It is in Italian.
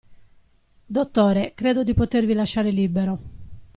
Dottore, credo di potervi lasciare libero.